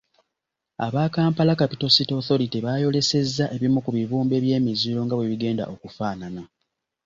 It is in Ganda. Aba Kampala Capital City Authority baayolesezza ebimu ku bibumbe by’emiziro nga bwe bigenda okufaanana.